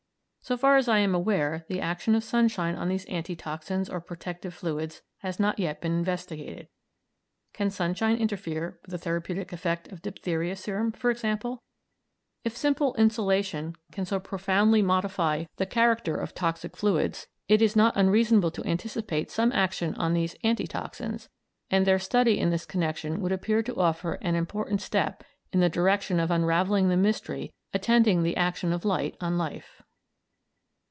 So far as I am aware, the action of sunshine on these anti toxins or protective fluids has not yet been investigated. Can sunshine interfere with the therapeutic effect of diphtheria serum, for example? If simple insolation can so profoundly modify the character of toxic fluids, it is not unreasonable to anticipate some action on these anti toxins, and their study in this connection would appear to offer an important step in the direction of unravelling the mystery attending the action of light on life.